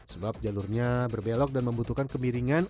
sebab jalurnya berbelok dan membutuhkan kemiringan